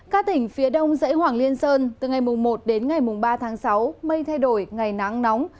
các tỉnh phía đông dãy hoàng liên sơn từ ngày một đến ngày ba tháng sáu mây thay đổi ngày nắng nóng